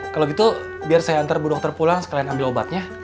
kalau gitu biar saya antar bu dokter pulang sekalian ambil obatnya